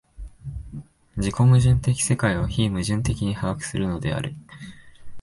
自己矛盾的世界を非矛盾的に把握するのである。